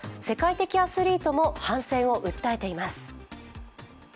世界的アスリートも反戦を訴えています。